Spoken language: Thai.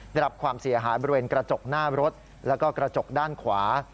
ได้รับความเสียหายบริเวณกระจกหน้ารถแล้วก็กระจกด้านขวา